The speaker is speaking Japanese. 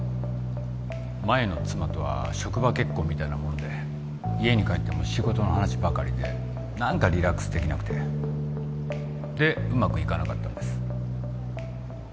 前の妻とは職場結婚みたいなもので家に帰っても仕事の話ばかりで何かリラックスできなくてでうまくいかなかったんです